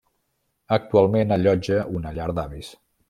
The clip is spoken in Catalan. Actualment allotja una llar d'avis.